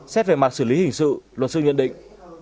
xét về mặt xử lý hình sự luật sư nhận định